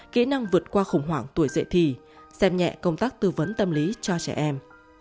kỹ năng vượt qua khủng hoảng tuổi dậy thì xem nhẹ công tác tư vấn tâm lý cho trẻ em